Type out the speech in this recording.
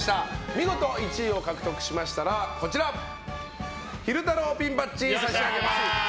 見事、１位を獲得されましたらこちら、昼太郎ピンバッジを差し上げます。